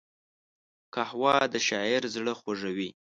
قهوه د شاعر زړه خوږوي